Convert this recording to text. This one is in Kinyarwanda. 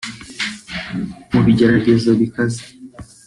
mu bigeragezo bikaze